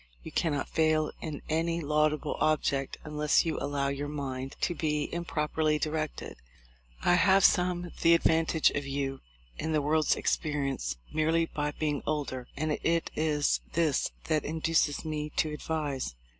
You cannot fail in any laudable object unless you allow your mind to be improperly directed. I have some the advantage of you in the world's experience merely by being older; and it is this that induces me to advise.